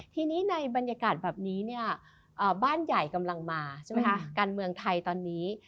ทีนี้ในบรรยากาศแบบนี้บ้านใหญ่กำลังมากันเมืองไทยตอนนี้